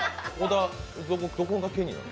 どこがケニーなの？